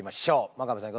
真壁さん